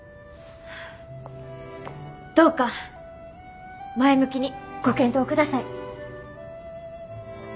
どうか前向きにご検討ください。